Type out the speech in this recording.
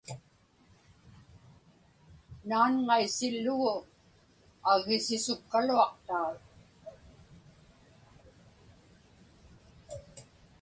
Naanŋaisillugu aggisisukkaluaqtaa.